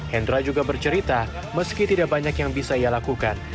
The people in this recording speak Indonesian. hendra juga bercerita meski tidak banyak yang bisa ia lakukan